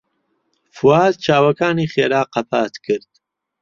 فواد چاوەکانی خێرا قەپات کرد.